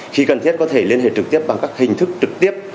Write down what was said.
khi cần thiết có thể liên hệ trực tiếp bằng các hình thức trực tiếp